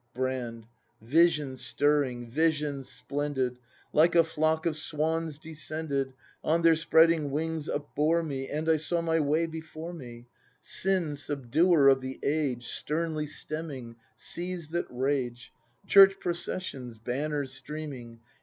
Brand. Visions stirring, visions splendid Like a flock of swans descended, On their spreading wings upbore me. And I saw my way before me; — Sin subduer of the Age Sternly stemming seas that rage. Church processions, banners streaming.